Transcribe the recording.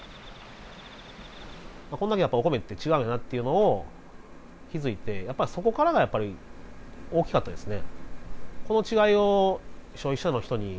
これだけお米って違うんやなっていうのを気づいてそこからがやっぱり大きかったですね。